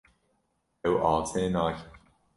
Ew asê nake.